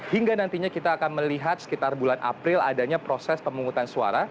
hingga nantinya kita akan melihat sekitar bulan april adanya proses pemungutan suara